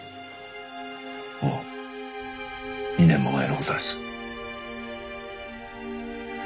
もう２年も前のことです。